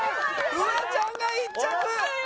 フワちゃんが１着！